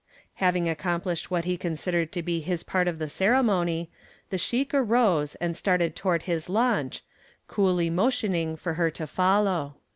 Having accomplished what he considered to be his part of the ceremony the sheik arose and started toward his launch, coolly motioning for her to follow.